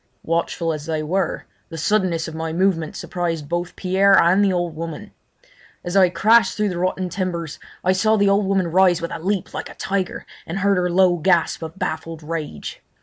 Watchful as they were, the suddenness of my movement surprised both Pierre and the old woman. As I crashed through the rotten timbers I saw the old woman rise with a leap like a tiger and heard her low gasp of baffled rage.